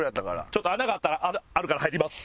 ちょっと穴があったらあるから入ります。